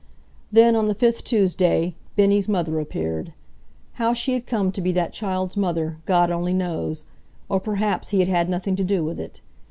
Then, on the fifth Tuesday, Bennie's mother appeared. How she had come to be that child's mother God only knows or perhaps He had had nothing to do with it.